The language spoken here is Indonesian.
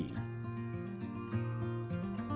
membuatnya tak asing dengan permasalahan ekologi